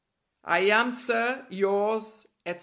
I am, Sir, Yours, etc.